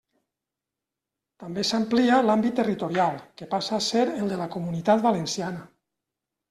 També s'amplia l'àmbit territorial, que passa a ser el de la Comunitat Valenciana.